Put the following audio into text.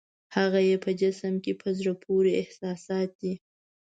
هغه یې په جسم کې په زړه پورې احساسات دي.